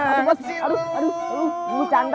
gak lagi susah malah bercanda